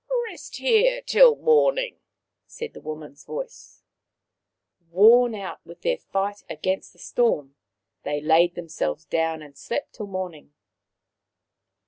" Rest here till morning," said the woman's voice. Worn out with their fight against the storm, they laid themselves down and slept till morn ing.